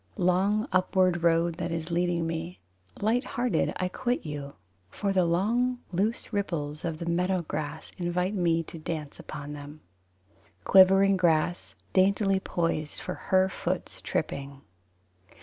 Long upward road that is leading me, Light hearted I quit you, For the long loose ripples of the meadow grass Invite me to dance upon them. Quivering grass Daintily poised For her foot's tripping.